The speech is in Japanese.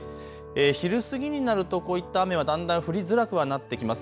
昼過ぎになるとこういった雨はだんだん降りづらくはなってきます。